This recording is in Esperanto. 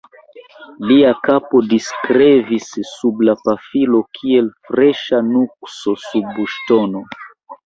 Lia kapo diskrevis sub la pafilo kiel freŝa nukso sub ŝtono.